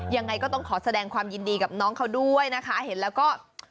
ยังไงก็ต้องขอแสดงความยินดีกับน้องเขาด้วยนะคะเห็นแล้วก็